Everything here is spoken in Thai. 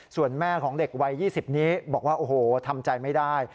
ส่วนแม่ของเด็กวัย๒๐นี้บอกว่าโอ้โหทำใจไม่ได้